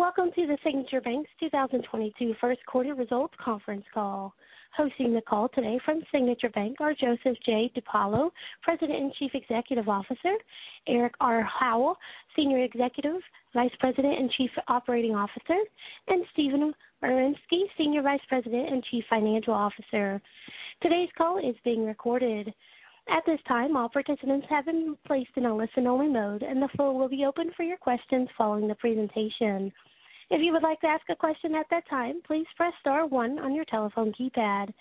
Welcome to the Signature Bank's 2022 first quarter results conference call. Hosting the call today from Signature Bank are Joseph J. DePaolo, President and Chief Executive Officer, Eric R. Howell, Senior Executive Vice President and Chief Operating Officer, and Stephen Wyremski, Senior Vice President and Chief Financial Officer. Today's call is being recorded. At this time, all participants have been placed in a listen-only mode, and the floor will be open for your questions following the presentation. If you would like to ask a question at that time, please press star one on your telephone keypad.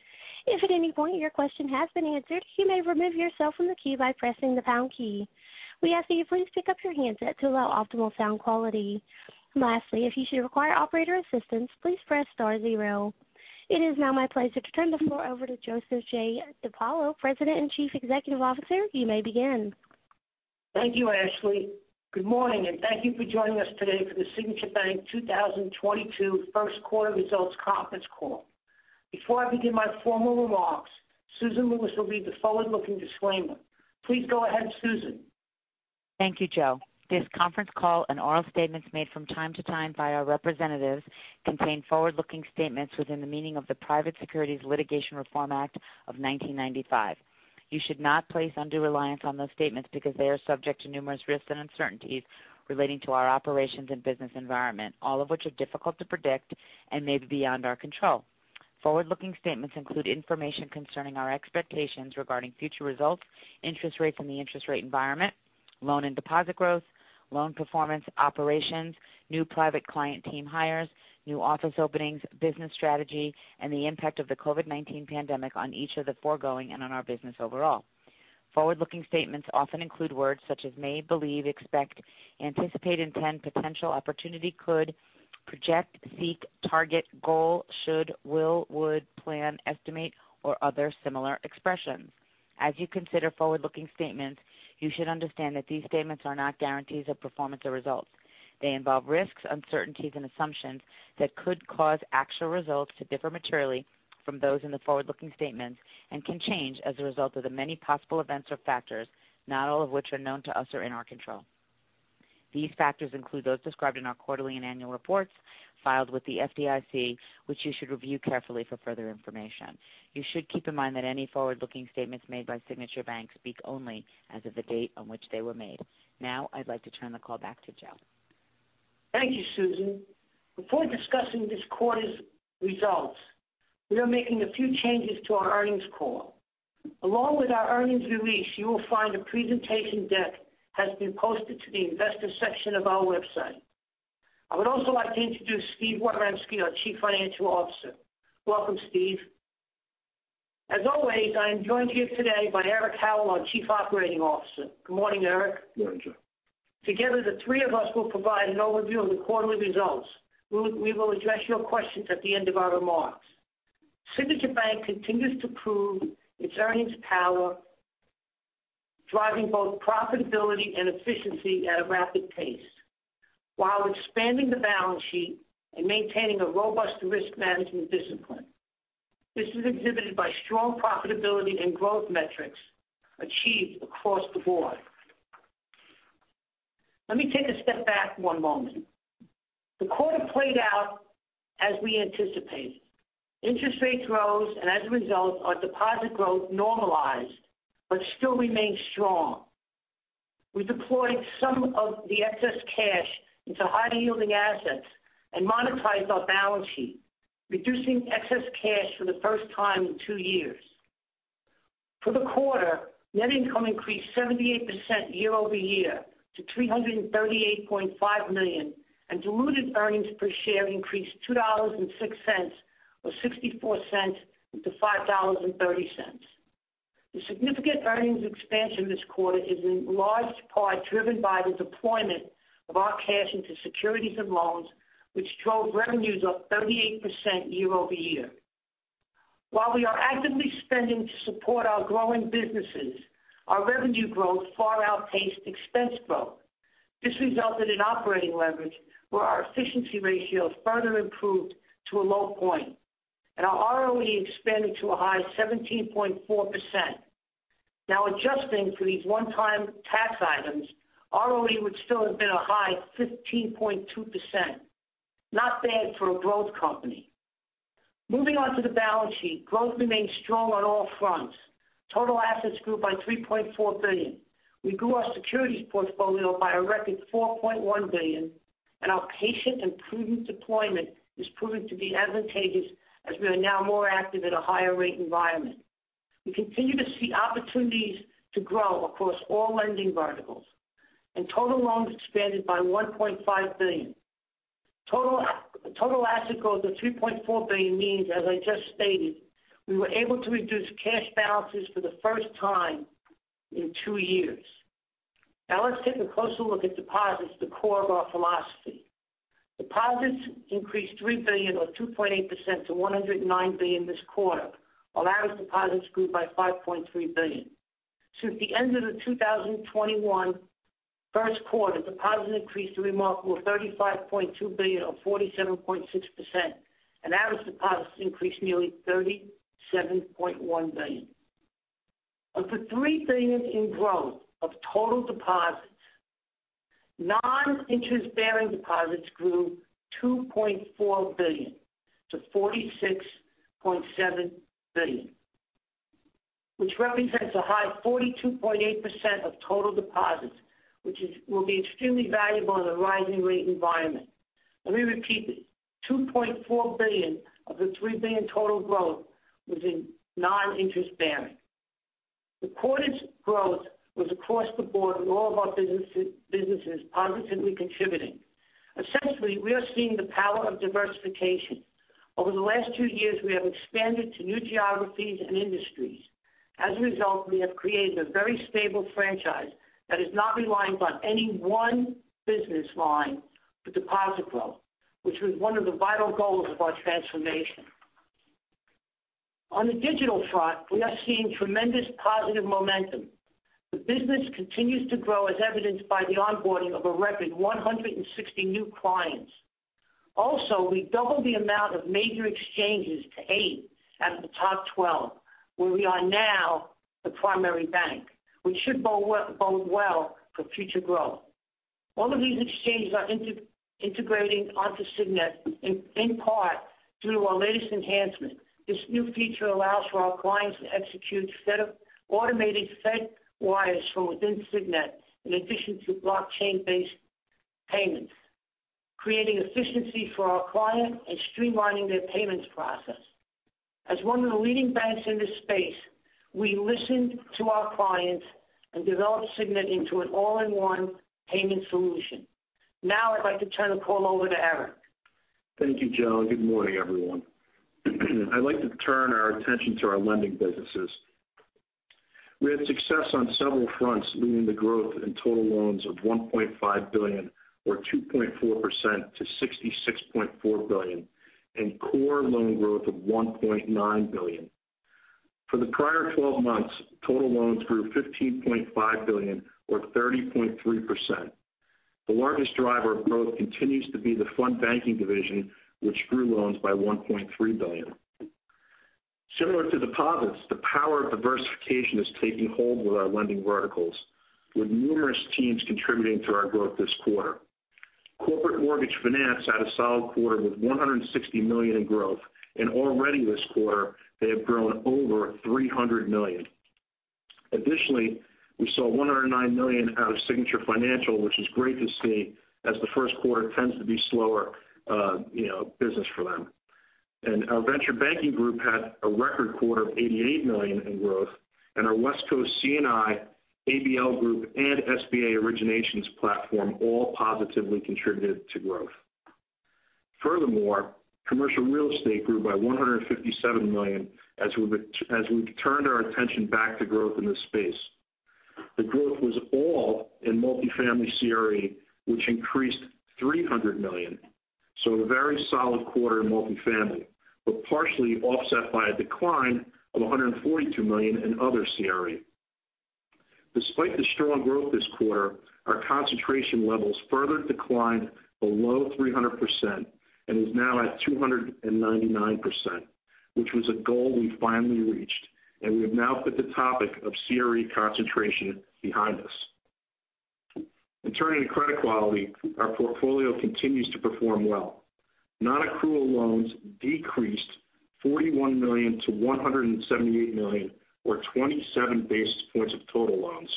If at any point your question has been answered, you may remove yourself from the queue by pressing the pound key. We ask that you please pick up your handset to allow optimal sound quality. Lastly, if you should require operator assistance, please press star zero. It is now my pleasure to turn the floor over to Joseph J. DePaolo, President and Chief Executive Officer. You may begin. Thank you, Ashley. Good morning, and thank you for joining us today for the Signature Bank 2022 first quarter results conference call. Before I begin my formal remarks, Susan Lewis will read the forward-looking disclaimer. Please go ahead, Susan. Thank you, Joe. This conference call and oral statements made from time to time by our representatives contain forward-looking statements within the meaning of the Private Securities Litigation Reform Act of 1995. You should not place undue reliance on those statements because they are subject to numerous risks and uncertainties relating to our operations and business environment, all of which are difficult to predict and may be beyond our control. Forward-looking statements include information concerning our expectations regarding future results, interest rate from the interest rate environment, loan and deposit growth, loan performance, operations, new private client team hires, new office openings, business strategy, and the impact of the COVID-19 pandemic on each of the foregoing and on our business overall. Forward-looking statements often include words such as may, believe, expect, anticipate, intend, potential, opportunity, could, project, seek, target, goal, should, will, would, plan, estimate, or other similar expressions. As you consider forward-looking statements, you should understand that these statements are not guarantees of performance or results. They involve risks, uncertainties, and assumptions that could cause actual results to differ materially from those in the forward-looking statements and can change as a result of the many possible events or factors, not all of which are known to us or in our control. These factors include those described in our quarterly and annual reports filed with the FDIC, which you should review carefully for further information. You should keep in mind that any forward-looking statements made by Signature Bank speak only as of the date on which they were made. Now, I'd like to turn the call back to Joe. Thank you, Susan. Before discussing this quarter's results, we are making a few changes to our earnings call. Along with our earnings release, you will find a presentation deck has been posted to the investor section of our website. I would also like to introduce Stephen Wyremski, our Chief Financial Officer. Welcome, Steve. As always, I am joined here today by Eric R. Howell, our Chief Operating Officer. Good morning, Eric. Good morning, Joe. Together, the three of us will provide an overview of the quarterly results. We will address your questions at the end of our remarks. Signature Bank continues to prove its earnings power, driving both profitability and efficiency at a rapid pace while expanding the balance sheet and maintaining a robust risk management discipline. This is exhibited by strong profitability and growth metrics achieved across the board. Let me take a step back one moment. The quarter played out as we anticipated. Interest rates rose, and as a result, our deposit growth normalized but still remains strong. We deployed some of the excess cash into higher-yielding assets and monetized our balance sheet, reducing excess cash for the first time in two years. For the quarter, net income increased 78% year-over-year to $338.5 million, and diluted earnings per share increased $2.06, or 64% to $5.30. The significant earnings expansion this quarter is in large part driven by the deployment of our cash into securities and loans, which drove revenues up 38% year-over-year. While we are actively spending to support our growing businesses, our revenue growth far outpaced expense growth. This resulted in operating leverage where our efficiency ratio further improved to a low point, and our ROE expanded to a high 17.4%. Now adjusting for these one-time tax items, ROE would still have been a high 15.2%. Not bad for a growth company. Moving on to the balance sheet. Growth remains strong on all fronts. Total assets grew by $3.4 billion. We grew our securities portfolio by a record $4.1 billion, and our patient and prudent deployment is proving to be advantageous as we are now more active in a higher rate environment. We continue to see opportunities to grow across all lending verticals, and total loans expanded by $1.5 billion. Total asset growth of $3.4 billion means, as I just stated, we were able to reduce cash balances for the first time in two years. Now, let's take a closer look at deposits, the core of our philosophy. Deposits increased $3 billion, or 2.8% to $109 billion this quarter, while average deposits grew by $5.3 billion. Since the end of the 2021 first quarter, deposits increased a remarkable $35.2 billion or 47.6%, and average deposits increased nearly $37.1 billion. Of the $3 billion in growth of total deposits, non-interest-bearing deposits grew $2.4 billion-$46.7 billion, which represents a high of 42.8% of total deposits, which will be extremely valuable in a rising rate environment. Let me repeat it. $2.4 billion of the $3 billion total growth was in non-interest bearing. The quarter's growth was across the board with all of our businesses positively contributing. Essentially, we are seeing the power of diversification. Over the last two years, we have expanded to new geographies and industries. As a result, we have created a very stable franchise that is not reliant on any one business line for deposit growth, which was one of the vital goals of our transformation. On the digital front, we are seeing tremendous positive momentum. The business continues to grow, as evidenced by the onboarding of a record 160 new clients. Also, we doubled the amount of major exchanges to 8 out of the top 12, where we are now the primary bank. We should bode well for future growth. All of these exchanges are integrating onto Signet in part through our latest enhancement. This new feature allows for our clients to execute automated Fedwire from within Signet in addition to blockchain-based payments, creating efficiency for our client and streamlining their payments process. As one of the leading banks in this space, we listened to our clients and developed Signet into an all-in-one payment solution. Now I'd like to turn the call over to Eric. Thank you, Joe. Good morning, everyone. I'd like to turn our attention to our lending businesses. We had success on several fronts leading to growth in total loans of $1.5 billion or 2.4% to $66.4 billion and core loan growth of $1.9 billion. For the prior 12 months, total loans grew $15.5 billion or 30.3%. The largest driver of growth continues to be the front banking division, which grew loans by $1.3 billion. Similar to deposits, the power of diversification is taking hold with our lending verticals, with numerous teams contributing to our growth this quarter. Corporate Mortgage Finance had a solid quarter with $160 million in growth, and already this quarter they have grown over $300 million. Additionally, we saw $109 million out of Signature Financial, which is great to see, as the first quarter tends to be slower business for them. Our venture banking group had a record quarter of $88 million in growth, and our West Coast C&I, ABL group, and SBA originations platform all positively contributed to growth. Furthermore, commercial real estate grew by $157 million as we've turned our attention back to growth in this space. The growth was all in multifamily CRE, which increased $300 million. A very solid quarter in multifamily, but partially offset by a decline of $142 million in other CRE. Despite the strong growth this quarter, our concentration levels further declined below 300% and is now at 299%, which was a goal we finally reached, and we have now put the topic of CRE concentration behind us. Turning to credit quality, our portfolio continues to perform well. Non-accrual loans decreased $41 million-$178 million or 27 basis points of total loans,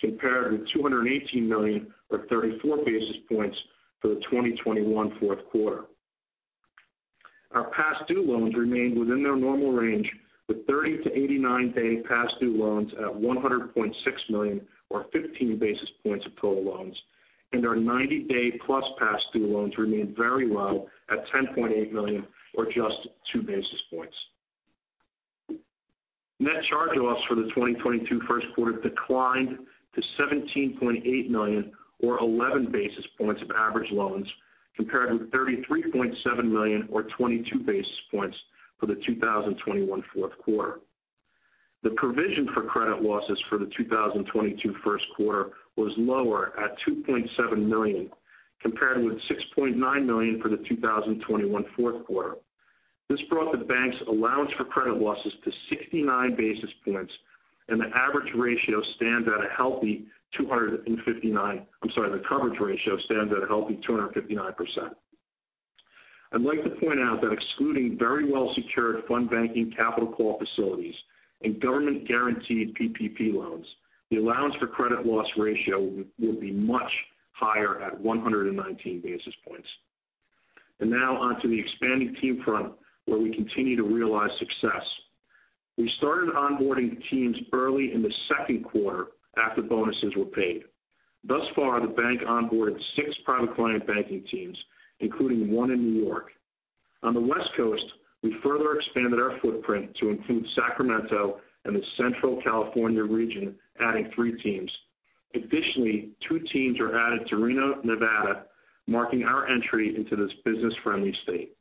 compared with $218 million or 34 basis points for the 2021 fourth quarter. Our past due loans remained within their normal range, with 30- to 89-day past due loans at $100.6 million or 15 basis points of total loans. Our 90-day plus past due loans remained very low at $10.8 million or just 2 basis points. Net charge-offs for the 2022 first quarter declined to $17.8 million or 11 basis points of average loans, compared with $33.7 million or 22 basis points for the 2021 fourth quarter. The provision for credit losses for the 2022 first quarter was lower at $2.7 million, compared with $6.9 million for the 2021 fourth quarter. This brought the bank's allowance for credit losses to 69 basis points, and the coverage ratio stands at a healthy 259%. I'd like to point out that excluding very well-secured fund banking capital call facilities and government-guaranteed PPP loans, the allowance for credit loss ratio would be much higher at 119 basis points. Now on to the expanding team front, where we continue to realize success. We started onboarding teams early in the second quarter after bonuses were paid. Thus far, the bank onboarded six private client banking teams, including one in New York. On the West Coast, we further expanded our footprint to include Sacramento and the Central California region, adding three teams. Additionally, two teams are added to Reno, Nevada, marking our entry into this business-friendly state.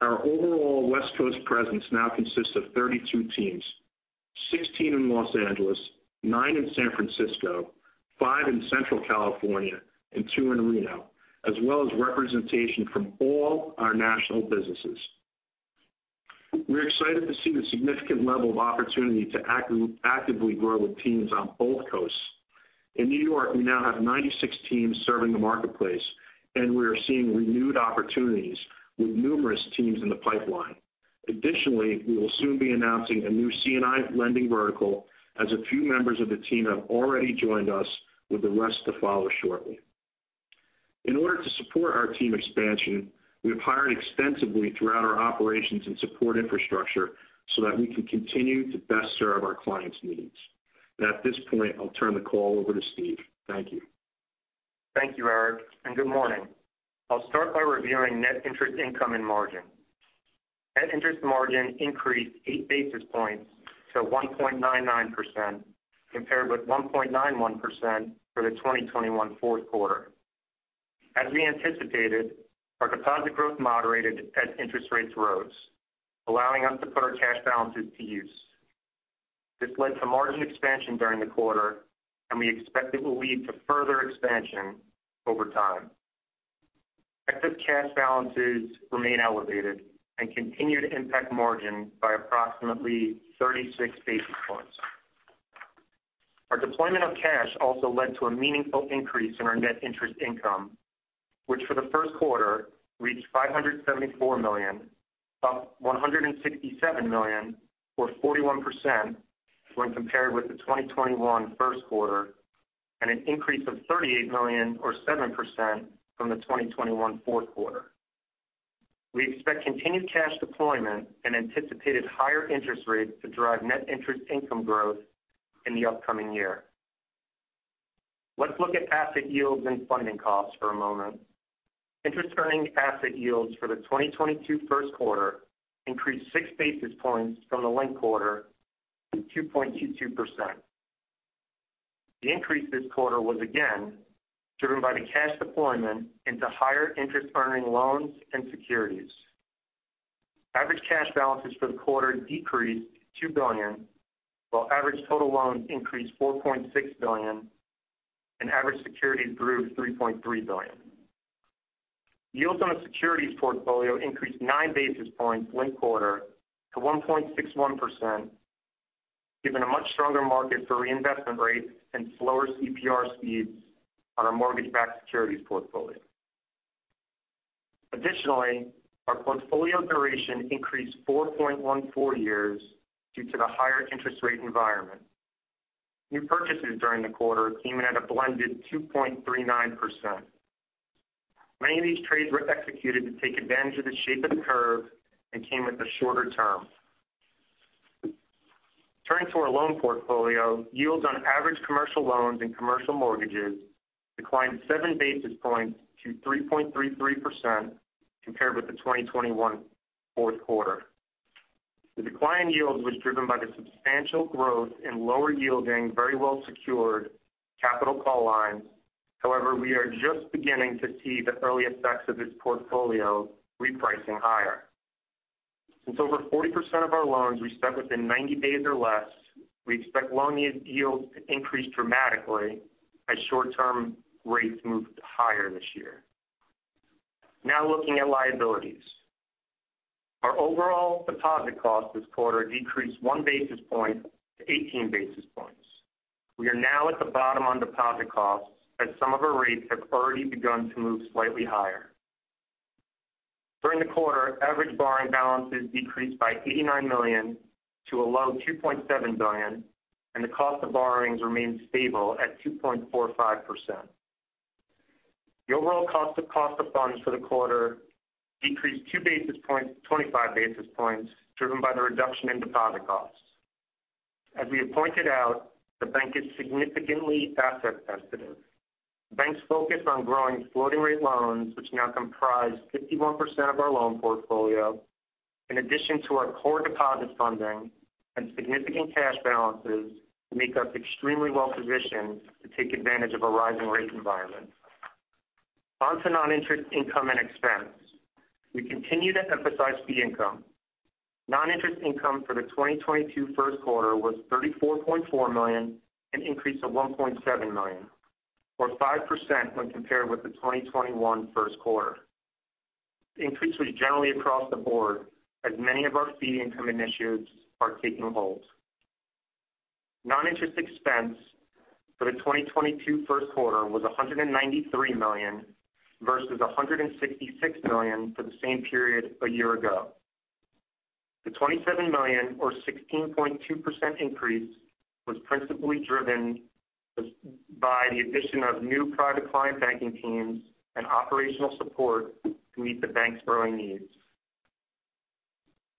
Our overall West Coast presence now consists of 32 teams, 16 in Los Angeles, nine in San Francisco, five in Central California and two in Reno, as well as representation from all our national businesses. We're excited to see the significant level of opportunity to actively grow with teams on both coasts. In New York, we now have 96 teams serving the marketplace, and we are seeing renewed opportunities with numerous teams in the pipeline. Additionally, we will soon be announcing a new C&I lending vertical as a few members of the team have already joined us, with the rest to follow shortly. In order to support our team expansion, we have hired extensively throughout our operations and support infrastructure so that we can continue to best serve our clients' needs. At this point, I'll turn the call over to Steve. Thank you. Thank you, Eric, and good morning. I'll start by reviewing net interest income and margin. Net interest margin increased 8 basis points to 1.99% compared with 1.91% for the 2021 fourth quarter. As we anticipated, our deposit growth moderated as interest rates rose, allowing us to put our cash balances to use. This led to margin expansion during the quarter, and we expect it will lead to further expansion over time. Excess cash balances remain elevated and continue to impact margin by approximately 36 basis points. Our deployment of cash also led to a meaningful increase in our net interest income, which for the first quarter reached $574 million, up $167 million or 41% when compared with the 2021 first quarter and an increase of $38 million or 7% from the 2021 fourth quarter. We expect continued cash deployment and anticipated higher interest rates to drive net interest income growth in the upcoming year. Let's look at asset yields and funding costs for a moment. Interest-earning asset yields for the 2022 first quarter increased 6 basis points from the linked quarter to 2.22%. The increase this quarter was again driven by the cash deployment into higher interest-earning loans and securities. Average cash balances for the quarter decreased $2 billion, while average total loans increased $4.6 billion and average securities grew $3.3 billion. Yields on the securities portfolio increased 9 basis points linked quarter to 1.61%, given a much stronger market for reinvestment rates and slower CPR speeds on our mortgage-backed securities portfolio. Additionally, our portfolio duration increased 4.14 years due to the higher interest rate environment. New purchases during the quarter came in at a blended 2.39%. Many of these trades were executed to take advantage of the shape of the curve and came with a shorter term. Turning to our loan portfolio, yields on average commercial loans and commercial mortgages declined 7 basis points to 3.33% compared with the 2021 fourth quarter. The decline in yields was driven by the substantial growth in lower yielding, very well-secured capital call lines. However, we are just beginning to see the early effects of this portfolio repricing higher. Since over 40% of our loans reset within 90 days or less, we expect loan yields to increase dramatically as short-term rates move higher this year. Now looking at liabilities. Our overall deposit cost this quarter decreased 1 basis point to 18 basis points. We are now at the bottom on deposit costs as some of our rates have already begun to move slightly higher. During the quarter, average borrowing balances decreased by $89 million to a low $2.7 billion, and the cost of borrowings remained stable at 2.45%. The overall cost of funds for the quarter decreased 25 basis points, driven by the reduction in deposit costs. As we have pointed out, the bank is significantly asset sensitive. The bank's focus on growing floating-rate loans, which now comprise 51% of our loan portfolio, in addition to our core deposit funding and significant cash balances make us extremely well-positioned to take advantage of a rising rate environment. On to non-interest income and expense. We continue to emphasize fee income. Non-interest income for the 2022 first quarter was $34.4 million, an increase of $1.7 million or 5% when compared with the 2021 first quarter. The increase was generally across the board as many of our fee income initiatives are taking hold. Non-interest expense for the 2022 first quarter was $193 million versus $166 million for the same period a year ago. The $27 million or 16.2% increase was principally driven by the addition of new private client banking teams and operational support to meet the bank's growing needs.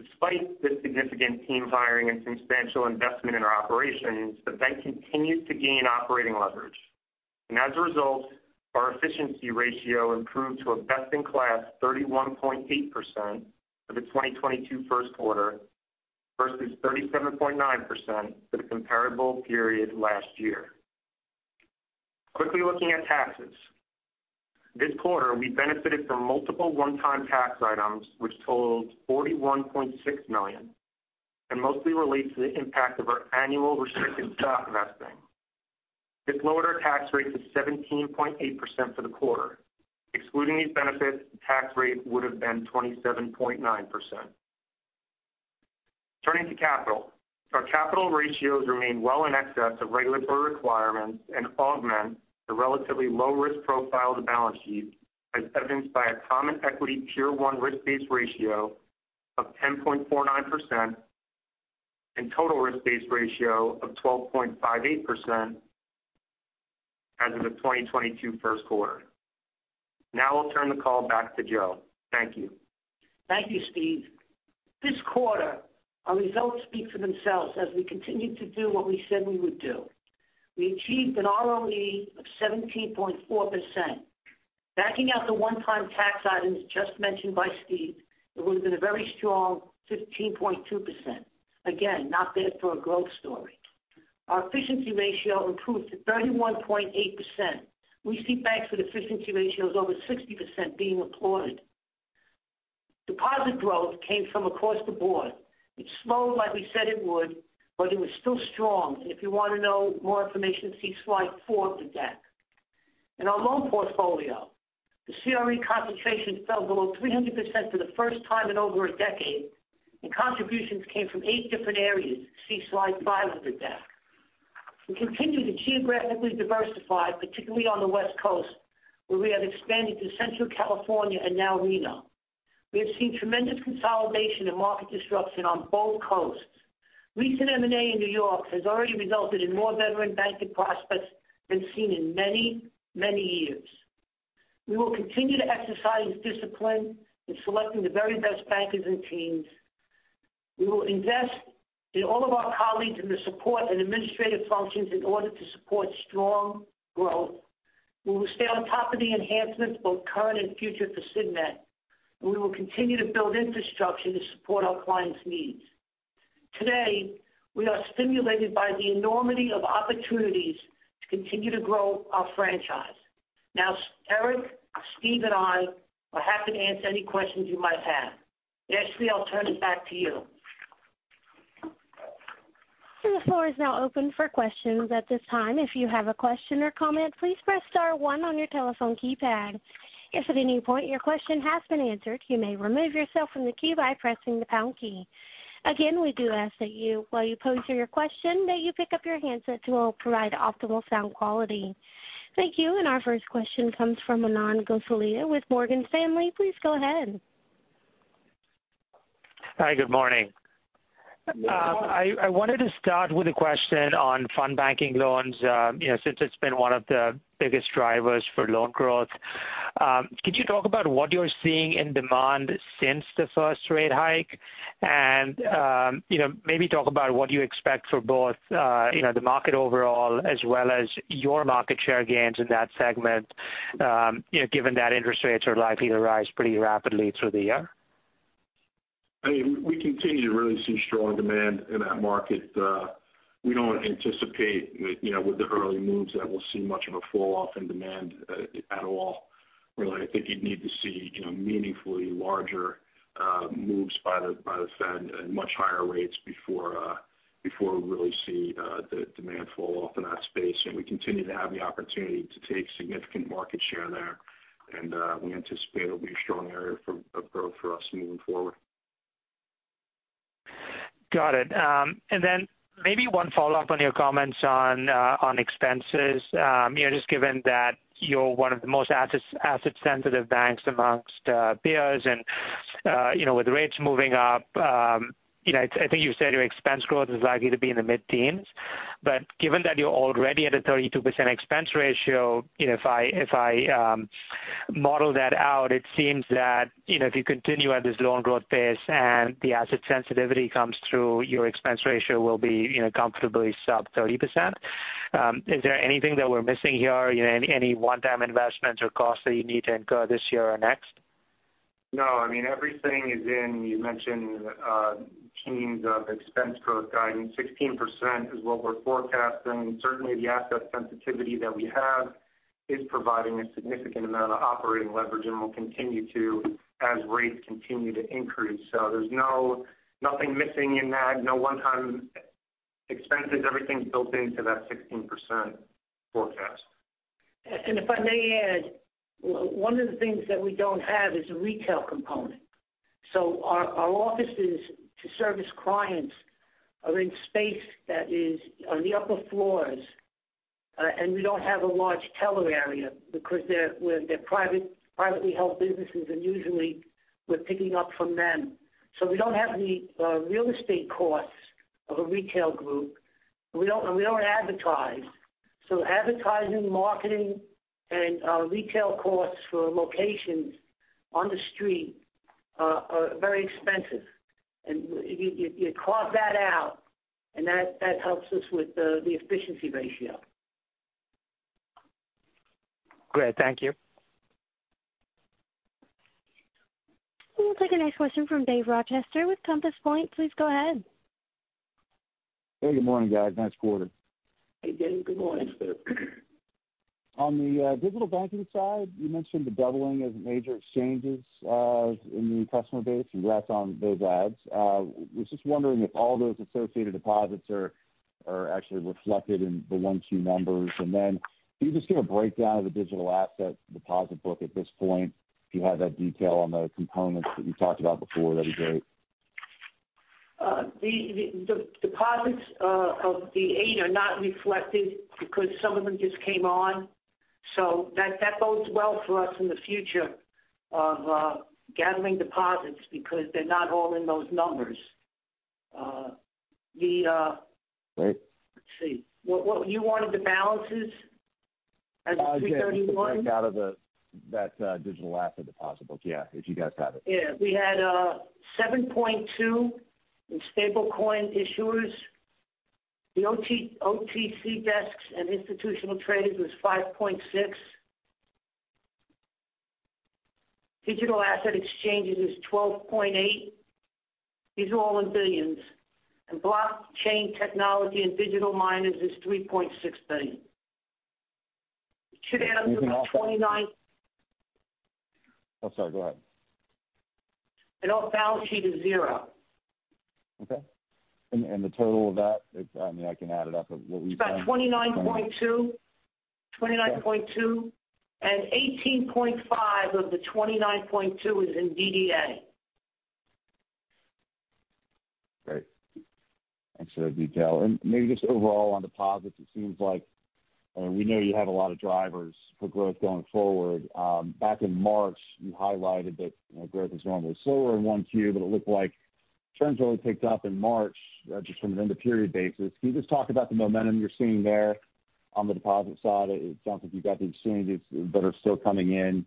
Despite the significant team hiring and substantial investment in our operations, the bank continues to gain operating leverage. As a result, our efficiency ratio improved to a best-in-class 31.8% for the 2022 first quarter versus 37.9% for the comparable period last year. Quickly looking at taxes. This quarter, we benefited from multiple one-time tax items which totaled $41.6 million and mostly relates to the impact of our annual restricted stock vesting. This lowered our tax rate to 17.8% for the quarter. Excluding these benefits, the tax rate would have been 27.9%. Turning to capital. Our capital ratios remain well in excess of regulatory requirements and augment the relatively low-risk profile of the balance sheet, as evidenced by a Common Equity Tier 1 risk-based ratio of 10.49% and total risk-based ratio of 12.58% as of the 2022 first quarter. Now I'll turn the call back to Joe. Thank you. Thank you, Steve. This quarter, our results speak for themselves as we continued to do what we said we would do. We achieved an ROE of 17.4%. Backing out the one-time tax items just mentioned by Steve, it would have been a very strong 15.2%. Again, not bad for a growth story. Our efficiency ratio improved to 31.8%. We see banks with efficiency ratios over 60% being applauded. Deposit growth came from across the board. It slowed like we said it would, but it was still strong. If you want to know more information, see slide 4 of the deck. In our loan portfolio, the CRE concentration fell below 300% for the first time in over a decade, and contributions came from 8 different areas. See slide 5 of the deck. We continue to geographically diversify, particularly on the West Coast, where we have expanded to Central California and now Reno. We have seen tremendous consolidation and market disruption on both coasts. Recent M&A in New York has already resulted in more veteran banking prospects than seen in many, many years. We will continue to exercise discipline in selecting the very best bankers and teams. We will invest in all of our colleagues in the support and administrative functions in order to support strong growth. We will stay on top of the enhancements, both current and future, for Signet, and we will continue to build infrastructure to support our clients' needs. Today, we are stimulated by the enormity of opportunities to continue to grow our franchise. Now, Eric, Steve, and I are happy to answer any questions you might have. Ashley, I'll turn it back to you. The floor is now open for questions. At this time, if you have a question or comment, please press star one on your telephone keypad. If at any point your question has been answered, you may remove yourself from the queue by pressing the pound key. Again, we do ask that you, while you pose your question, that you pick up your handset to provide optimal sound quality. Thank you. Our first question comes from Manan Gosalia with Morgan Stanley. Please go ahead. Hi, good morning. I wanted to start with a question on fund banking loans, you know, since it's been one of the biggest drivers for loan growth. Could you talk about what you're seeing in demand since the first rate hike? You know, maybe talk about what you expect for both, you know, the market overall as well as your market share gains in that segment, you know, given that interest rates are likely to rise pretty rapidly through the year. I mean, we continue to really see strong demand in that market. We don't anticipate, you know, with the early moves that we'll see much of a falloff in demand at all, really. I think you'd need to see, you know, meaningfully larger moves by the Fed and much higher rates before we really see the demand fall off in that space. We continue to have the opportunity to take significant market share there. We anticipate it'll be a strong area for growth for us moving forward. Got it. And then maybe one follow-up on your comments on expenses. You know, just given that you're one of the most asset sensitive banks amongst peers and, you know, with rates moving up, you know, I think you said your expense growth is likely to be in the mid-teens. Given that you're already at a 32% expense ratio, you know, if I model that out, it seems that, you know, if you continue at this loan growth pace and the asset sensitivity comes through, your expense ratio will be, you know, comfortably sub 30%. Is there anything that we're missing here? You know, any one-time investments or costs that you need to incur this year or next? No. I mean, everything is in, you mentioned, teens of expense growth guidance. 16% is what we're forecasting. Certainly, the asset sensitivity that we have is providing a significant amount of operating leverage and will continue to as rates continue to increase. Nothing missing in that. No one-time expenses. Everything's built into that 16% forecast. If I may add, one of the things that we don't have is a retail component. Our offices to service clients are in space that is on the upper floors, and we don't have a large teller area because they're private, privately held businesses, and usually we're picking up from them. We don't have the real estate costs of a retail group. We don't, and we don't advertise. Advertising, marketing, and retail costs for locations on the street are very expensive. You carve that out and that helps us with the efficiency ratio. Great. Thank you. We'll take our next question from David Rochester with Compass Point. Please go ahead. Hey, good morning, guys. Nice quarter. Hey, David. Good morning. On the digital banking side, you mentioned the doubling of major exchanges in the customer base. Congrats on those adds. Was just wondering if all those associated deposits are actually reflected in the 1, 2 numbers. Can you just give a breakdown of the digital asset deposit book at this point? If you had that detail on the components that you talked about before, that'd be great. The deposits of the eight are not reflected because some of them just came on, so that bodes well for us in the future of gathering deposits because they're not all in those numbers. Great. Let's see. What you wanted the balances as of 3/31? Yeah. Just a breakdown of that digital asset deposit book. Yeah. If you guys have it. Yeah. We had $7.2 billion in stablecoin issuers. The OTC desks and institutional traders was $5.6 billion. Digital asset exchanges is $12.8 billion. These are all in billions. Blockchain technology and digital miners is $3.6 billion. It should add up to about $29 billion. Oh, sorry. Go ahead. Total balance sheet is zero. The total of that is, I mean, I can add it up of what we've done. It's about 29.2. Okay. 18.5 of the 29.2 is in DDA. Great. Thanks for the detail. Maybe just overall on deposits, it seems like, we know you had a lot of drivers for growth going forward. Back in March, you highlighted that, you know, growth was going really slower in 1Q, but it looked like trends really picked up in March, just from an end of period basis. Can you just talk about the momentum you're seeing there on the deposit side? It sounds like you've got the exchanges that are still coming in.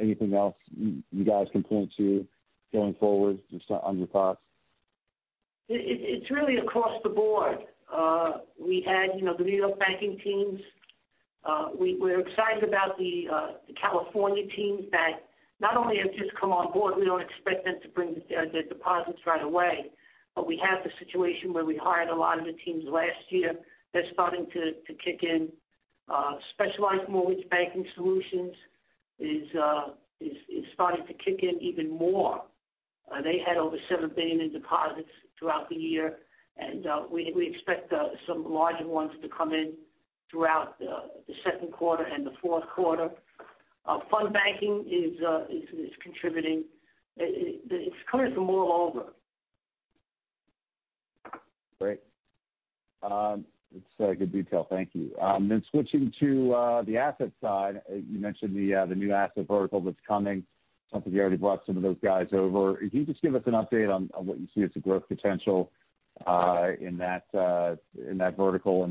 Anything else you guys can point to going forward, just on your thoughts? It's really across the board. We had, you know, the New York banking teams. We're excited about the California teams that not only have just come on board, we don't expect them to bring their deposits right away. We have the situation where we hired a lot of the teams last year. They're starting to kick in. Specialized mortgage banking solutions is starting to kick in even more. They had over $7 billion in deposits throughout the year. We expect some larger ones to come in throughout the second quarter and the fourth quarter. Fund banking is contributing. It's coming from all over. Great. It's good detail. Thank you. Switching to the asset side. You mentioned the new asset vertical that's coming. Something you already brought some of those guys over. Can you just give us an update on what you see as the growth potential in that vertical?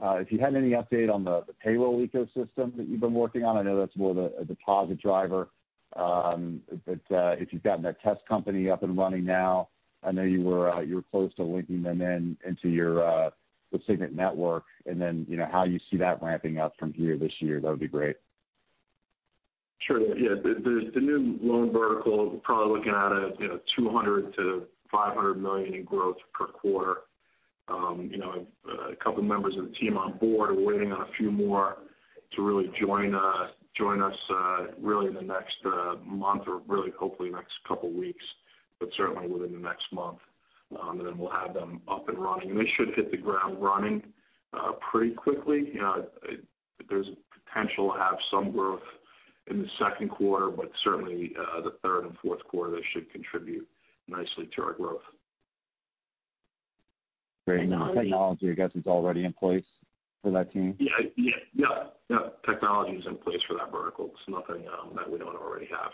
If you had any update on the payroll ecosystem that you've been working on. I know that's more of a deposit driver. If you've gotten that test company up and running now, I know you were close to linking them into the Signet network. You know, how you see that ramping up from here this year, that would be great. Sure. Yeah. The new loan vertical, we're probably looking at, you know, $200 million-$500 million in growth per quarter. You know, a couple members of the team on board. We're waiting on a few more to really join us, really in the next month or really hopefully next couple weeks, but certainly within the next month. We'll have them up and running. They should hit the ground running, pretty quickly. You know, there's a potential to have some growth in the second quarter, but certainly, the third and fourth quarter, they should contribute nicely to our growth. Great. The technology, I guess, is already in place for that team? Yeah. Technology is in place for that vertical. It's nothing that we don't already have.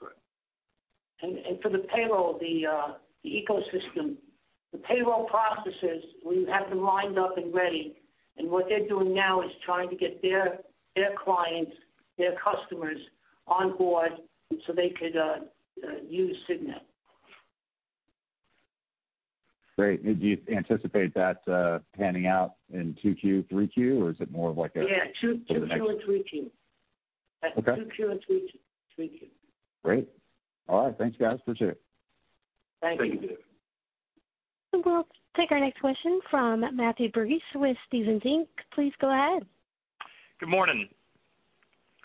That's right. For the payroll, the ecosystem, the payroll processes, we have them lined up and ready. What they're doing now is trying to get their clients, their customers on board so they could use Signet. Great. Do you anticipate that panning out in 2Q, 3Q, or is it more of like a- Yeah. -for the next- Two Q and three Q. Okay. Two Q and three, three Q. Great. All right. Thanks, guys. Appreciate it. Thank you. Thank you, Dave. We'll take our next question from Matthew Breese with Stephens Inc. Please go ahead. Good morning. Morning,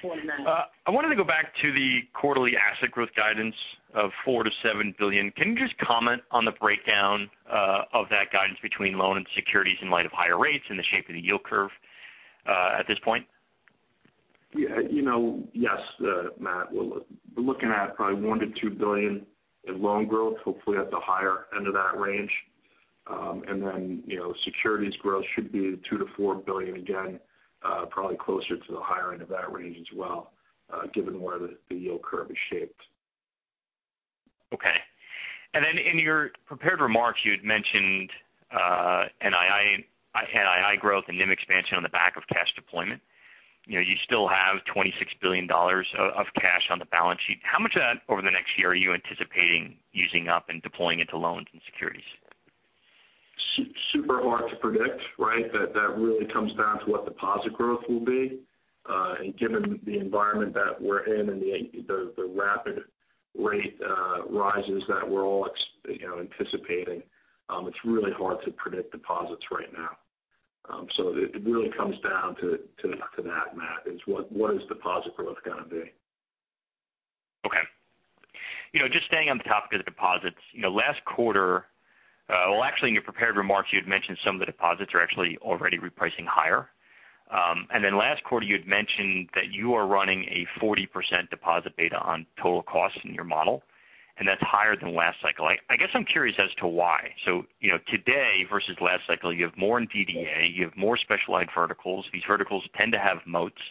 Matt. I wanted to go back to the quarterly asset growth guidance of $4 billion-$7 billion. Can you just comment on the breakdown of that guidance between loan and securities in light of higher rates and the shape of the yield curve at this point? You know, yes, Matt, we're looking at probably $1 billion-$2 billion in loan growth, hopefully at the higher end of that range. You know, securities growth should be $2 billion-$4 billion, again, probably closer to the higher end of that range as well, given where the yield curve is shaped. Okay. Then in your prepared remarks, you had mentioned NII growth and NIM expansion on the back of cash deployment. You know, you still have $26 billion of cash on the balance sheet. How much of that over the next year are you anticipating using up and deploying into loans and securities? super hard to predict, right? That really comes down to what deposit growth will be. Given the environment that we're in and the rapid rate rises that we're all anticipating, you know, it's really hard to predict deposits right now. It really comes down to that, Matt. What is deposit growth gonna be? Okay. You know, just staying on the topic of deposits. You know, last quarter, well, actually, in your prepared remarks, you had mentioned some of the deposits are actually already repricing higher. Then last quarter you had mentioned that you are running a 40% deposit beta on total costs in your model, and that's higher than last cycle. I guess I'm curious as to why. You know, today versus last cycle, you have more in DDA, you have more specialized verticals. These verticals tend to have moats.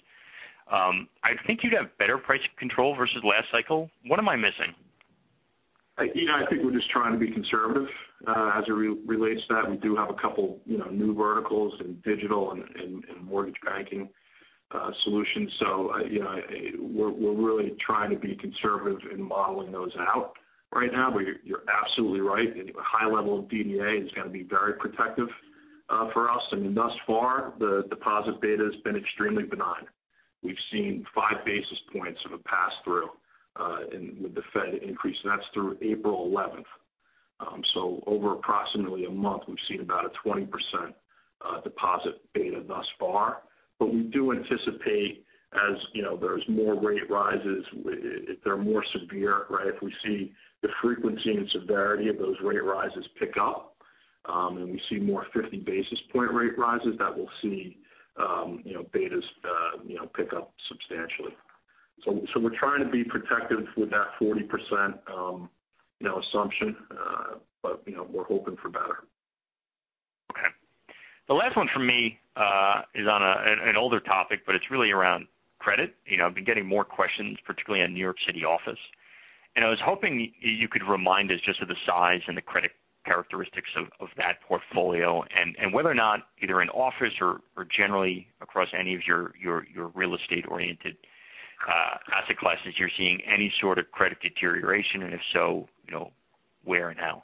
I think you'd have better price control versus last cycle. What am I missing? You know, I think we're just trying to be conservative as it relates to that. We do have a couple new verticals in digital and mortgage banking solutions. You know, we're really trying to be conservative in modeling those out right now. You're absolutely right. A high level of DDA is gonna be very protective for us. I mean, thus far, the deposit beta has been extremely benign. We've seen five basis points of a pass-through with the Fed increase, and that's through April 11. Over approximately a month, we've seen about a 20% deposit beta thus far. We do anticipate, as you know, there's more rate rises, if they're more severe, right? If we see the frequency and severity of those rate rises pick up, and we see more 50 basis point rate rises, that we'll see, you know, betas, you know, pick up substantially. So we're trying to be protective with that 40% assumption, but, you know, we're hoping for better. Okay. The last one from me is on an older topic, but it's really around credit. You know, I've been getting more questions, particularly on New York City office. I was hoping you could remind us just of the size and the credit characteristics of that portfolio and whether or not either in office or generally across any of your real estate-oriented asset classes, you're seeing any sort of credit deterioration, and if so, you know, where and how.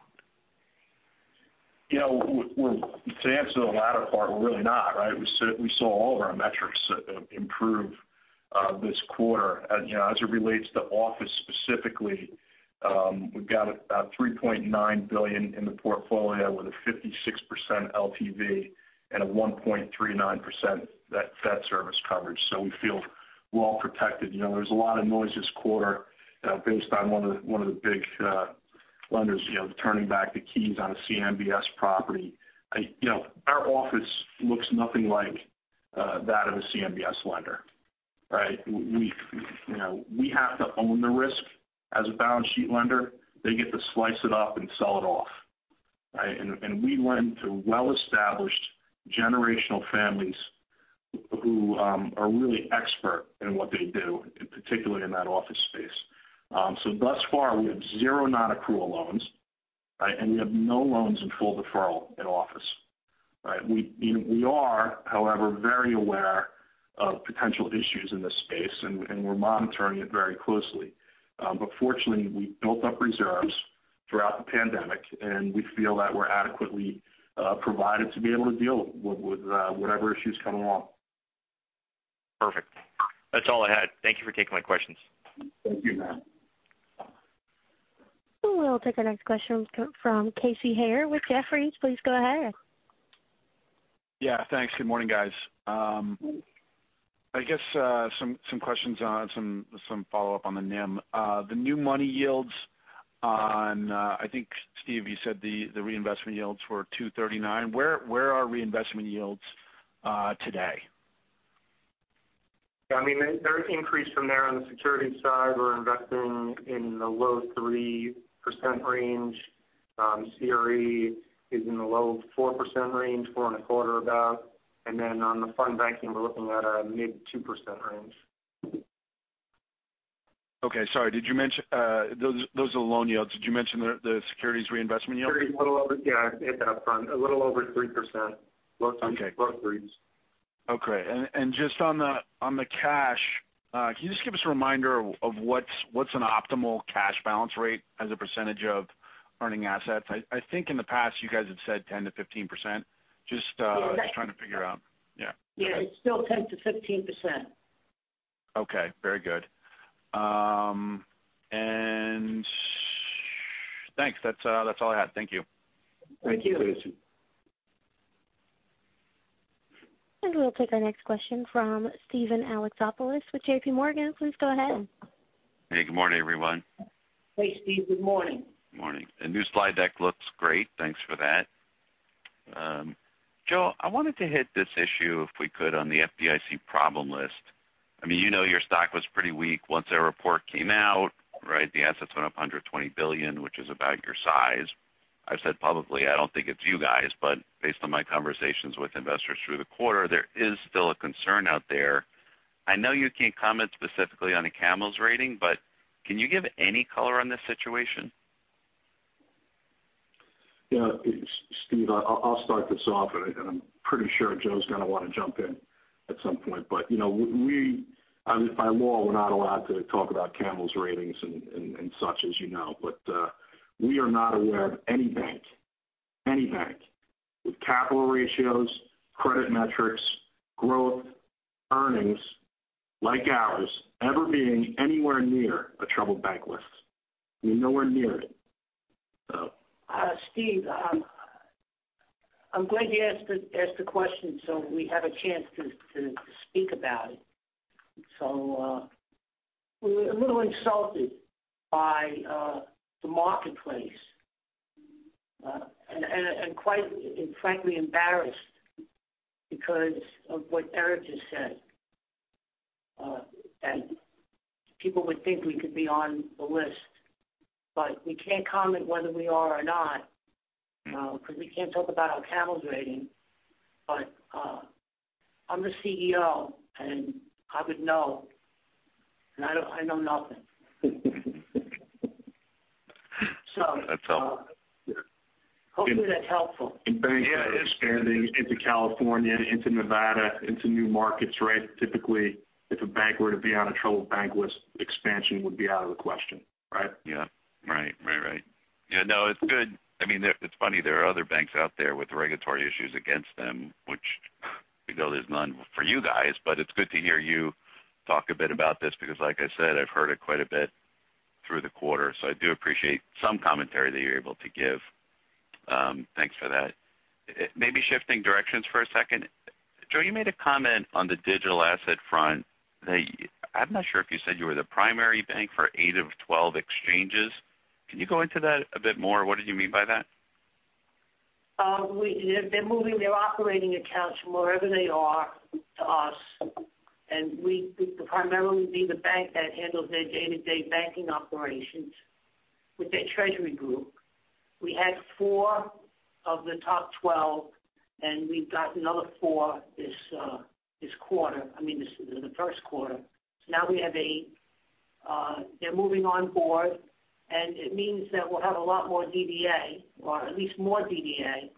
You know, well, to answer the latter part, we're really not, right? We saw all of our metrics improve this quarter. You know, as it relates to office specifically, we've got about $3.9 billion in the portfolio with a 56% LTV and a 1.39% debt service coverage. So we feel well-protected. You know, there's a lot of noise this quarter based on one of the big lenders you know, turning back the keys on a CMBS property. You know, our office looks nothing like that of a CMBS lender, right? We have to own the risk as a balance sheet lender. They get to slice it up and sell it off, right? We lend to well-established generational families who are really expert in what they do, and particularly in that office space. Thus far, we have zero non-accrual loans, right? We have no loans in full deferral in office, right? We, you know, are, however, very aware of potential issues in this space and we're monitoring it very closely. Fortunately, we built up reserves throughout the pandemic, and we feel that we're adequately provided to be able to deal with whatever issues come along. Perfect. That's all I had. Thank you for taking my questions. Thank you, Matt. We'll take our next question from Casey Haire with Jefferies. Please go ahead. Yeah, thanks. Good morning, guys. I guess some questions, some follow-up on the NIM. The new money yields on, I think, Steve, you said the reinvestment yields were 2.39%. Where are reinvestment yields today? I mean, they're increased from there. On the securities side, we're investing in the low 3% range. CRE is in the low 4% range, 4.25, about. On the fund banking, we're looking at a mid 2% range. Okay. Sorry, did you mention those are the loan yields? Did you mention the securities reinvestment yield? Sure. Yeah, on that front, a little over 3%. Okay. Low threes. Okay. Just on the cash, can you just give us a reminder of what's an optimal cash balance rate as a percentage of earning assets? I think in the past you guys have said 10%-15%. Just, Yeah. Just trying to figure out. Yeah. Yeah. It's still 10%-15%. Okay. Very good. Thanks. That's all I had. Thank you. Thank you. Thanks. We'll take our next question from Steven Alexopoulos with JPMorgan. Please go ahead. Hey, good morning, everyone. Hey, Steve. Good morning. Morning. The new slide deck looks great. Thanks for that. Joe, I wanted to hit this issue, if we could, on the FDIC problem list. I mean, you know your stock was pretty weak once that report came out, right? The assets went up $120 billion, which is about your size. I've said publicly, I don't think it's you guys, but based on my conversations with investors through the quarter, there is still a concern out there. I know you can't comment specifically on a CAMELS rating, but can you give any color on this situation? Yeah. Steve, I'll start this off. Pretty sure Joe's gonna wanna jump in at some point. You know, I mean, by law, we're not allowed to talk about CAMELS ratings and such, as you know. We are not aware of any bank with capital ratios, credit metrics, growth, earnings like ours ever being anywhere near a troubled bank list. We're nowhere near it. Steve, I'm glad you asked the question so we have a chance to speak about it. We're a little insulted by the marketplace, quite frankly embarrassed because of what Eric just said. People would think we could be on the list, but we can't comment whether we are or not, because we can't talk about our CAMELS rating. I'm the CEO and I would know. I know nothing. Hopefully that's helpful. Yeah, it is. Banks are expanding into California, into Nevada, into new markets, right? Typically, if a bank were to be on a troubled bank list, expansion would be out of the question, right? Yeah. Right. Yeah, no, it's good. I mean, it's funny, there are other banks out there with regulatory issues against them, which we know there's none for you guys, but it's good to hear you talk a bit about this because like I said, I've heard it quite a bit through the quarter, so I do appreciate some commentary that you're able to give. Thanks for that. Maybe shifting directions for a second. Joe, you made a comment on the digital asset front that I'm not sure if you said you were the primary bank for 8 of 12 exchanges. Can you go into that a bit more? What did you mean by that? They're moving their operating accounts from wherever they are to us to primarily be the bank that handles their day-to-day banking operations with their treasury group. We had 4 of the top 12, and we've got another 4 this quarter, I mean, the first quarter. Now we have 8. They're moving on board, and it means that we'll have a lot more DDA or at least more DDA,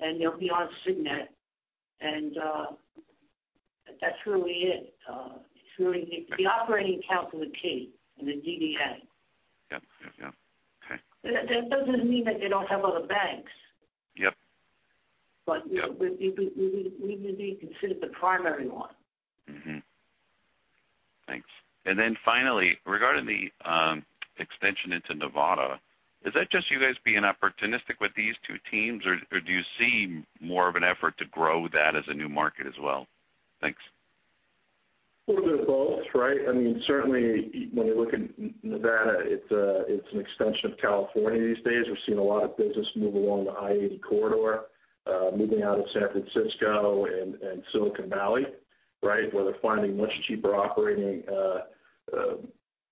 and they'll be on Signet. That's really it. It's really the operating account is the key and the DDA. Yep. Okay. That doesn't mean that they don't have other banks. Yep. We would be considered the primary one. Thanks. Then finally, regarding the extension into Nevada, is that just you guys being opportunistic with these two teams? Or do you see more of an effort to grow that as a new market as well? Thanks. Well, they're both, right? I mean, certainly when you look at Nevada, it's an extension of California these days. We've seen a lot of business move along the I-80 corridor, moving out of San Francisco and Silicon Valley, right? Where they're finding much cheaper operating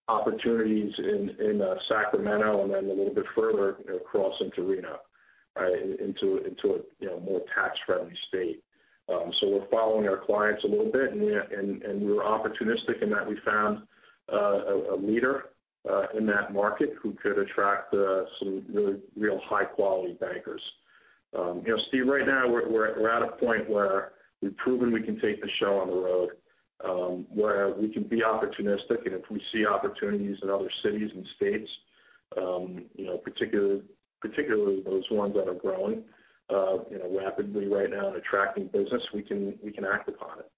opportunities in Sacramento and then a little bit further across into Reno, into a you know, more tax-friendly state. We're following our clients a little bit. We're opportunistic in that we found a leader in that market who could attract some really high-quality bankers. You know, Steve, right now we're at a point where we've proven we can take the show on the road, where we can be opportunistic. If we see opportunities in other cities and states, you know, particularly those ones that are growing, you know, rapidly right now and attracting business, we can act upon it.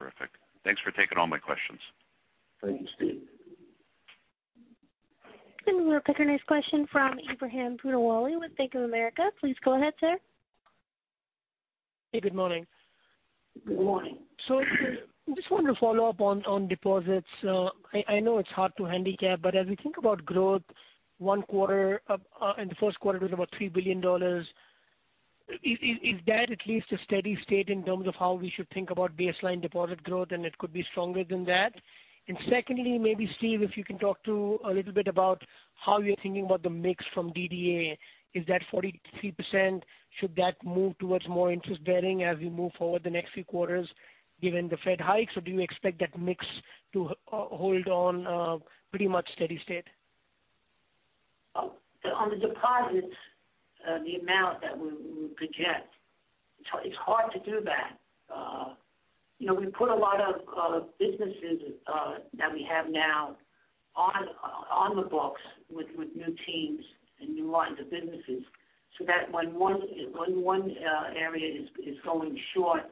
Terrific. Thanks for taking all my questions. Thank you, Steve. We'll take our next question from Ebrahim Poonawala with Bank of America. Please go ahead, sir. Hey, good morning. Good morning. Just wanted to follow up on deposits. I know it's hard to handicap, but as we think about growth one quarter, in the first quarter it was about $3 billion. Is that at least a steady state in terms of how we should think about baseline deposit growth and it could be stronger than that? Secondly, maybe Steve if you can talk a little bit about how you're thinking about the mix from DDA. Is that 43%? Should that move towards more interest bearing as we move forward the next few quarters given the Fed hikes? Or do you expect that mix to hold pretty much steady state? On the deposits, the amount that we project, it's hard to do that. You know, we put a lot of businesses that we have now on the books with new teams and new lines of businesses so that when one area is going short,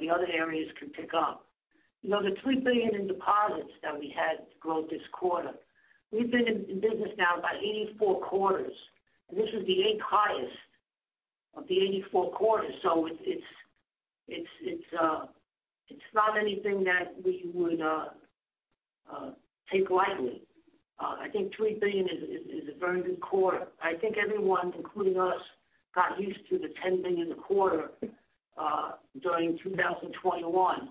the other areas can pick up. You know, the $3 billion in deposits that we had to grow this quarter, we've been in business now about 84 quarters. This is the eighth highest of the 84 quarters. So it's not anything that we would take lightly. I think $3 billion is a very good quarter. I think everyone, including us, got used to the $10 billion a quarter during 2021.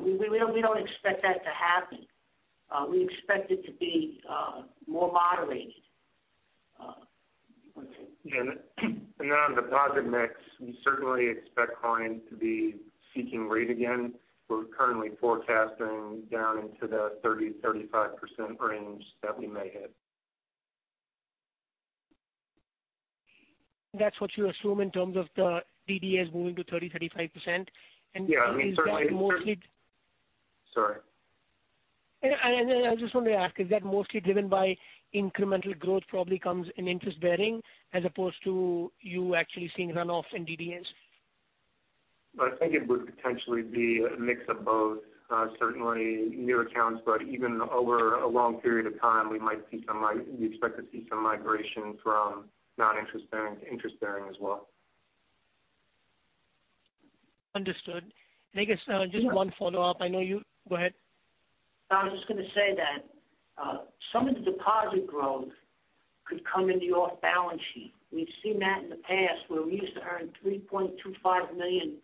We don't expect that to happen. We expect it to be more moderated. Yeah. On deposit mix, we certainly expect clients to be seeking rate again. We're currently forecasting down into the 30%-35% range that we may hit. That's what you assume in terms of the DDAs moving to 30%-35%. Yeah. I mean, certainly. Is that mostly? Sorry. I just want to ask, is that mostly driven by incremental growth probably comes in interest-bearing as opposed to you actually seeing runoff in DDAs? I think it would potentially be a mix of both. Certainly new accounts. Even over a long period of time, we might see some. We expect to see some migration from non-interest-bearing to interest-bearing as well. Understood. I guess, just one follow-up. Go ahead. I was just gonna say that, some of the deposit growth could come in the off-balance sheet. We've seen that in the past where we used to earn $3.25 million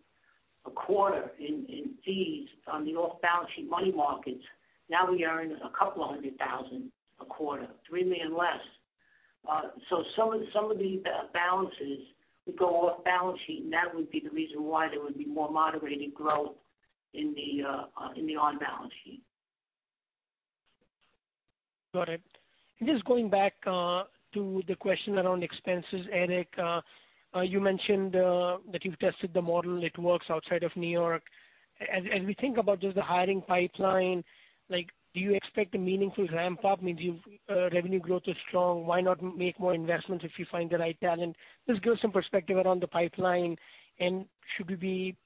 a quarter in fees on the off-balance sheet money markets. Now we earn a couple of hundred thousand a quarter, $3 million less. Some of the balances would go off-balance sheet, and that would be the reason why there would be more moderated growth in the on-balance sheet. Got it. Just going back to the question around expenses, Eric, you mentioned that you've tested the model. It works outside of New York. As we think about just the hiring pipeline, like do you expect a meaningful ramp-up, meaning your revenue growth is strong. Why not make more investments if you find the right talent? Just give some perspective around the pipeline. Should we be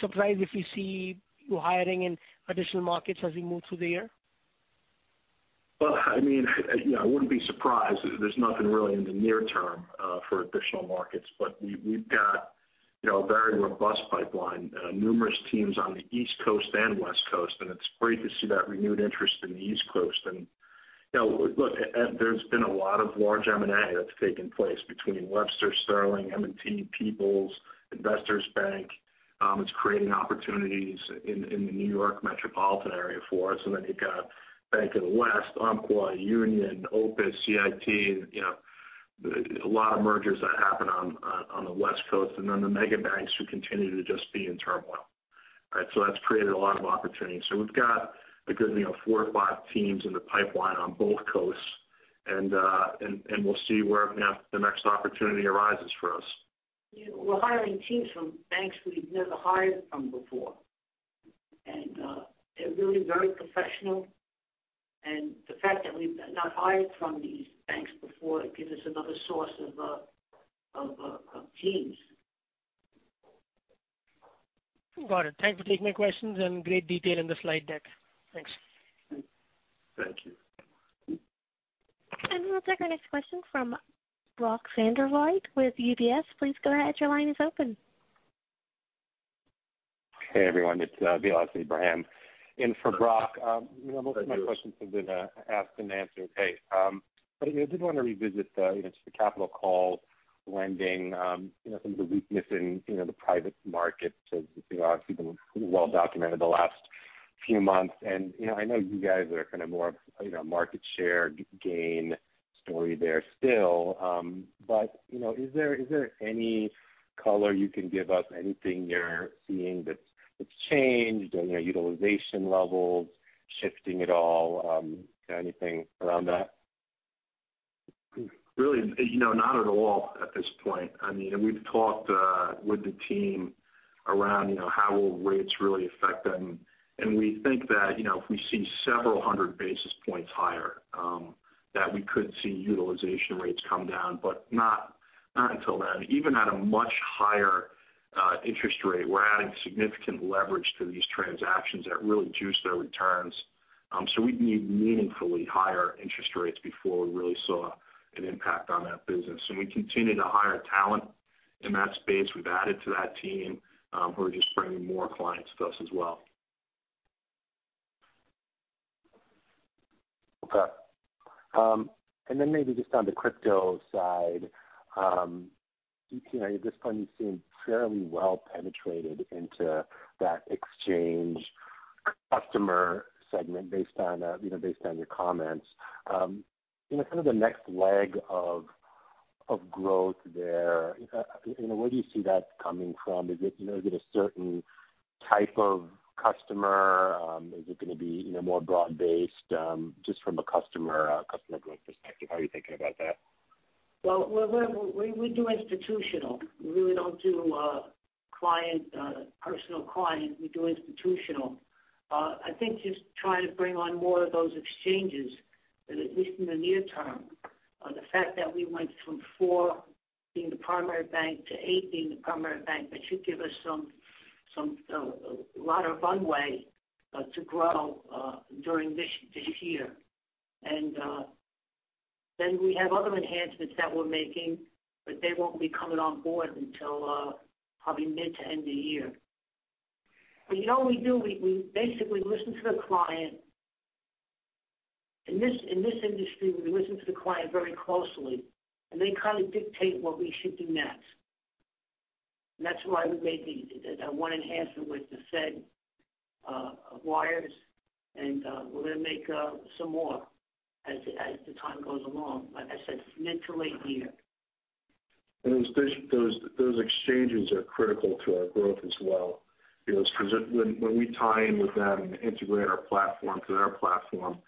surprised if we see you hiring in additional markets as we move through the year? Well, I mean, you know, I wouldn't be surprised. There's nothing really in the near term for additional markets. We've got, you know, a very robust pipeline, numerous teams on the East Coast and West Coast, and it's great to see that renewed interest in the East Coast. You know, look, there's been a lot of large M&A that's taken place between Webster, Sterling, M&T, People's United, Investors Bank. It's creating opportunities in the New York metropolitan area for us. Then you've got Bank of the West, Umpqua, Union, Opus, CIT, and, you know, a lot of mergers that happen on the West Coast. Then the mega banks who continue to just be in turmoil. Right. That's created a lot of opportunity. We've got a good, you know, 4 or 5 teams in the pipeline on both coasts. We'll see where the next opportunity arises for us. We're hiring teams from banks we've never hired from before. They're really very professional. The fact that we've not hired from these banks before gives us another source of teams. Got it. Thanks for taking my questions and great detail in the slide deck. Thanks. Thank you. We'll take our next question from Brody Preston with UBS. Please go ahead. Your line is open. Hey, everyone. It's Celeste Abraham in for Brody. You know, most of my questions have been asked and answered. Hey, you know, I did want to revisit you know, just the capital call lending, you know, some of the weakness in you know, the private markets as you know, obviously been well documented the last few months. You know, I know you guys are kind of more you know, market share gain story there still. You know, is there any color you can give us? Anything you're seeing that's changed or your utilization levels shifting at all? Anything around that? Really, you know, not at all at this point. I mean, we've talked with the team around, you know, how will rates really affect them. We think that, you know, if we see several hundred basis points higher, that we could see utilization rates come down, but not until then. Even at a much higher interest rate, we're adding significant leverage to these transactions that really juice their returns. We'd need meaningfully higher interest rates before we really saw an impact on that business. We continue to hire talent in that space. We've added to that team, who are just bringing more clients to us as well. Okay. Maybe just on the crypto side. You know, at this point you seem fairly well penetrated into that exchange customer segment based on, you know, based on your comments. You know, kind of the next leg of growth there, you know, where do you see that coming from? Is it, you know, is it a certain type of customer? Is it gonna be, you know, more broad-based, just from a customer growth perspective? How are you thinking about that? Well, we do institutional. We really don't do client, personal client. We do institutional. I think just trying to bring on more of those exchanges. At least in the near term, the fact that we went from 4 being the primary bank to 8 being the primary bank, that should give us some lot of runway to grow during this year. Then we have other enhancements that we're making, but they won't be coming on board until probably mid to end of year. You know how we do. We basically listen to the client. In this industry, we listen to the client very closely, and they kind of dictate what we should do next. That's why we made the one enhancement with the Fedwires. We're gonna make some more as the time goes along. Like I said, it's mid to late year. Those exchanges are critical to our growth as well because when we tie in with them and integrate our platform to their platform,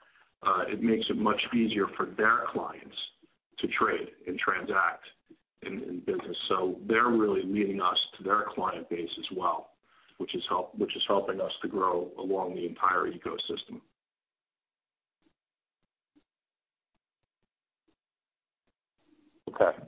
it makes it much easier for their clients to trade and transact in business. They're really leading us to their client base as well, which is helping us to grow along the entire ecosystem. Okay.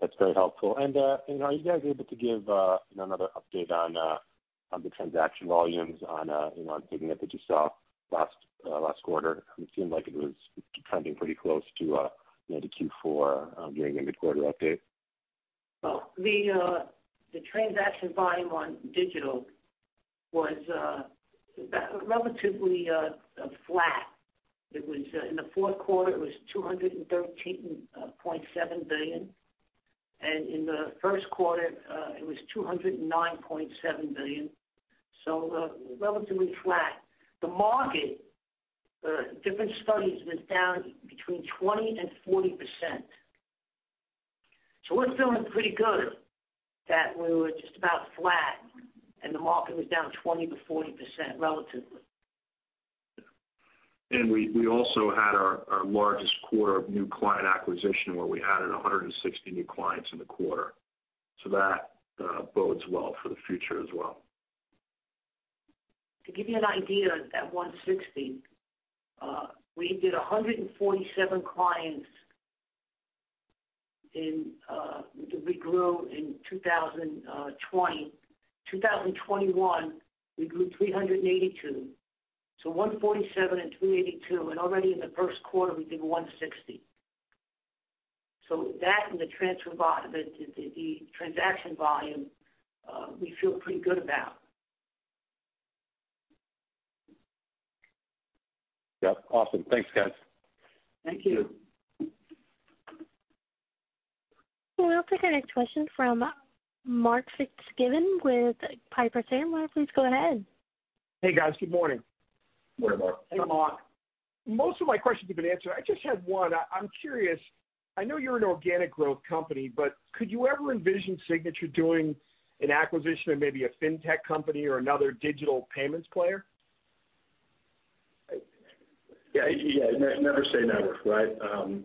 That's very helpful. Are you guys able to give you know another update on the transaction volumes on you know on Signature itself last quarter? It seemed like it was trending pretty close to you know the Q4 during the mid-quarter update. Well, the transaction volume on digital was relatively flat. It was in the fourth quarter, it was $213.7 billion, and in the first quarter, it was $209.7 billion, so relatively flat. The market, different studies was down between 20% and 40%. We're feeling pretty good that we were just about flat and the market was down 20%-40% relatively. We also had our largest quarter of new client acquisition where we added 160 new clients in the quarter. That bodes well for the future as well. To give you an idea, that 160, we did 147 clients in, we grew in 2020. 2021, we grew 382. 147 and 382, and already in the first quarter we did 160. That and the transaction volume, we feel pretty good about. Yep. Awesome. Thanks, guys. Thank you. Thank you. We'll take our next question from Mark Fitzgibbon with Piper Sandler. Please go ahead. Hey, guys. Good morning. Good morning, Mark. Hey, Mark. Most of my questions have been answered. I just had one. I'm curious. I know you're an organic growth company, but could you ever envision Signature doing an acquisition of maybe a fintech company or another digital payments player? Yeah. Yeah. Never say never, right?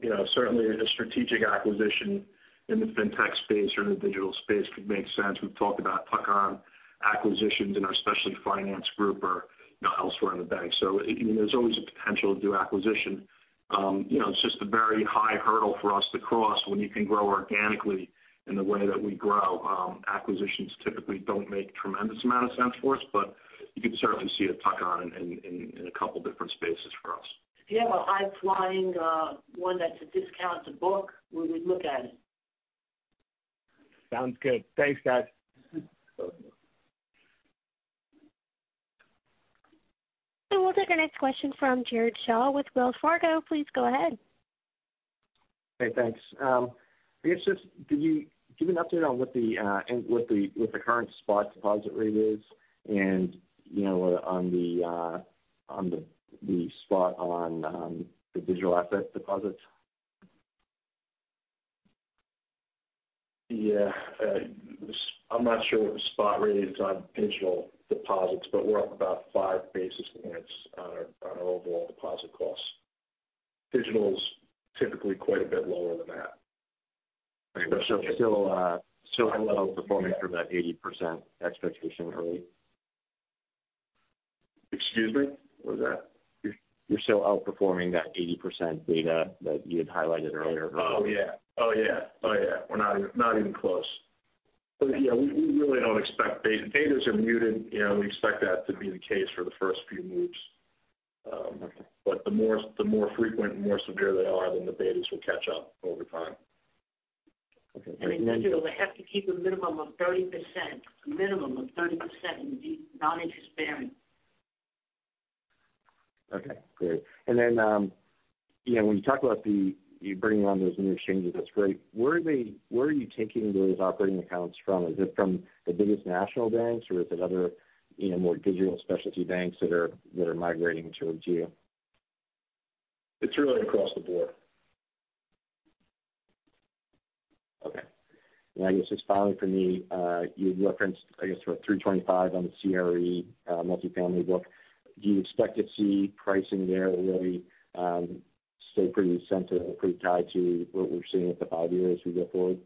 You know, certainly a strategic acquisition in the fintech space or in the digital space could make sense. We've talked about tuck-on acquisitions in our specialty finance group or, you know, elsewhere in the bank. You know, there's always a potential to do acquisition. You know, it's just a very high hurdle for us to cross when you can grow organically in the way that we grow. Acquisitions typically don't make tremendous amount of sense for us, but you can certainly see a tuck-on in a couple different spaces for us. If you have a high-flying one that's a discount to book, we would look at it. Sounds good. Thanks, guys. We'll take our next question from Jared Shaw with Wells Fargo. Please go ahead. Hey, thanks. I guess just can you give an update on what the current spot deposit rate is and, you know, on the spot rate on the digital asset deposits? Yeah. I'm not sure what the spot rate is on digital deposits, but we're up about five basis points on our overall deposit costs. Digital is typically quite a bit lower than that. Still outperforming for that 80% expectation early? Excuse me. What was that? You're still outperforming that 80% beta that you had highlighted earlier? Oh, yeah. We're not even close. Yeah, we really don't expect beta. Betas are muted. You know, we expect that to be the case for the first few moves. The more frequent and more severe they are, then the betas will catch up over time. Okay. In digital, they have to keep a minimum of 30% in the non-interest-bearing. Okay, great. You know, when you talk about you bringing on those new exchanges, that's great. Where are you taking those operating accounts from? Is it from the biggest national banks or is it other, you know, more digital specialty banks that are migrating to Signature? It's really across the board. Okay. I guess just finally from me, you had referenced I guess 3.25 on the CRE, multifamily book. Do you expect to see pricing there really, stay pretty centered or pretty tied to what we're seeing at the 5-year as we go forward?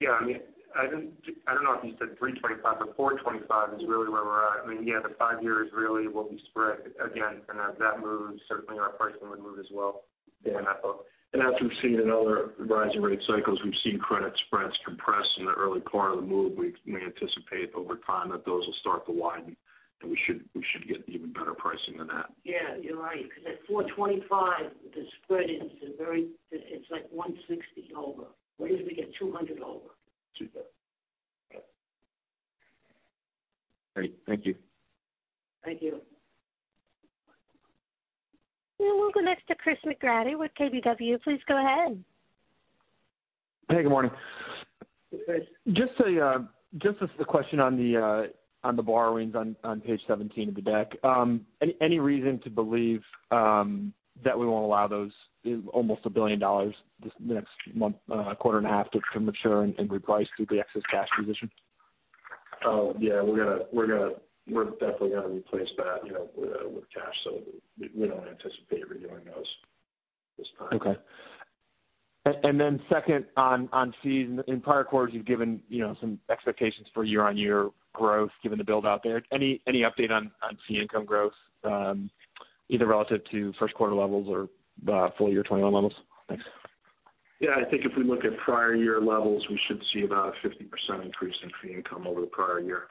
Yeah, I mean, I don't know if you said 3.25 or 4.25 is really where we're at. I mean, yeah, the 5-year is really what we spread again. As that moves, certainly our pricing would move as well in that book. As we've seen in other rising rate cycles, we've seen credit spreads compress in the early part of the move. We may anticipate over time that those will start to widen and we should get even better pricing than that. Yeah, you're right. Because at 425, the spread is it's like 160 over. What if we get 200 over? 200. Great. Thank you. Thank you. We'll go next to Chris McGratty with KBW. Please go ahead. Hey, good morning. Just as a question on the borrowings on page 17 of the deck. Any reason to believe that we won't allow those almost $1 billion this next month, quarter and a half to mature and reprice through the excess cash position? Oh, yeah. We're definitely gonna replace that, you know, with cash, so we don't anticipate renewing those this time. Okay. Second, on fees. In prior quarters, you've given, you know, some expectations for year-on-year growth given the build out there. Any update on fee income growth, either relative to first quarter levels or full year 2021 levels? Thanks. Yeah. I think if we look at prior year levels, we should see about a 50% increase in fee income over the prior year.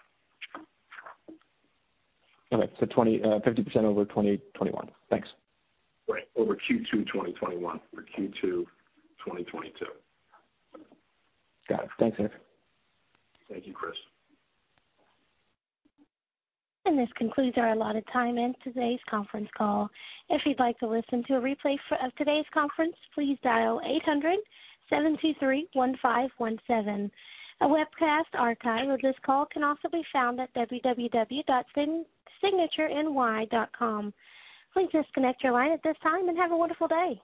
Okay. 20, 50% over 2021. Thanks. Right. Over Q2 2021 or Q2 2022. Got it. Thanks, Eric. Thank you, Chris. This concludes our allotted time in today's conference call. If you'd like to listen to a replay of today's conference, please dial 800-723-1517. A webcast archive of this call can also be found at www.signatureny.com. Please disconnect your line at this time and have a wonderful day.